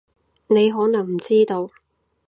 你可能唔知道